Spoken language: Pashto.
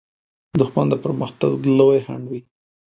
دښمن د پرمختګ لوی خنډ وي